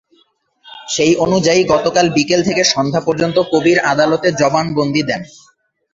সেই অনুযায়ী গতকাল বিকেল থেকে সন্ধ্যা পর্যন্ত কবির আদালতে জবানবন্দি দেন।